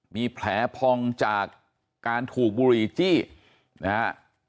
มีแผลพองจากการถูกบุหรี่จี้นะฮะ